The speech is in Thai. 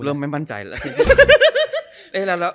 เริ่มไม่มั่นใจแล้ว